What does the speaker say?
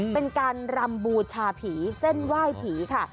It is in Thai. เป็นการรำบูชาผีเส้นไหว้ผีค่ะ